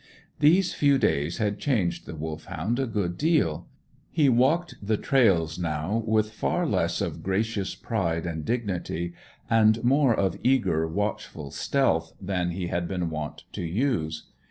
These few days had changed the Wolfhound a good deal. He walked the trails now with far less of gracious pride and dignity, and more of eager, watchful stealth than he had been wont to use.